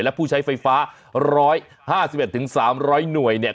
และผู้ใช้ไฟฟ้า๑๕๑๓๐๐หน่วยเนี่ย